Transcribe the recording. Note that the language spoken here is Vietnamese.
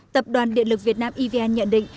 tập đoàn điện lực việt nam evn nhận định